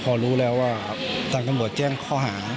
พอรู้แล้วว่าทางตำรวจแจ้งข้อหา